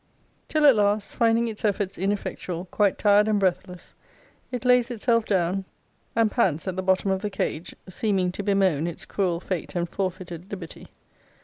Till at last, finding its efforts ineffectual, quite tired and breathless, it lays itself down, and pants at the bottom of the cage, seeming to bemoan its cruel fate and forfeited liberty.